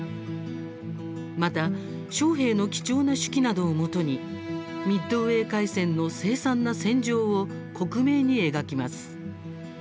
また、将兵の貴重な手記などをもとに、ミッドウェー海戦の凄惨な戦場を克明に描きます。